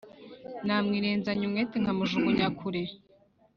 Namwirenzanya umwete nkamujugunya kure